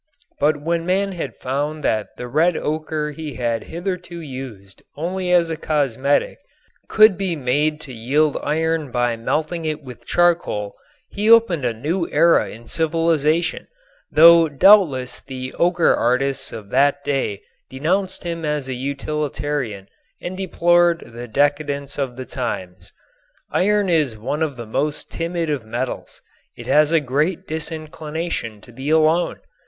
But when man found that the red ocher he had hitherto used only as a cosmetic could be made to yield iron by melting it with charcoal he opened a new era in civilization, though doubtless the ocher artists of that day denounced him as a utilitarian and deplored the decadence of the times. Iron is one of the most timid of metals. It has a great disinclination to be alone.